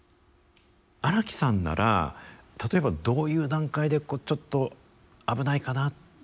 荒木さんなら例えばどういう段階でちょっと危ないかなって考え始めるんですか。